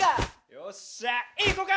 よっしゃ行こか！